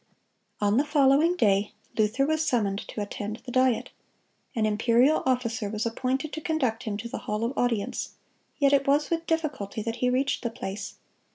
On the following day, Luther was summoned to attend the Diet. An imperial officer was appointed to conduct him to the hall of audience; yet it was with difficulty that he reached the place.